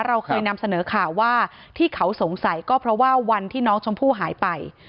เราเคยนำเสนอข่าวว่าที่เขาสงสัยก็เพราะว่าวันที่น้องชมพู่หายไป